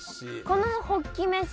このホッキ飯